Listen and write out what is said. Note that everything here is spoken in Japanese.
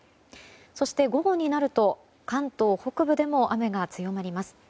そして午後になると関東北部でも雨が強まります。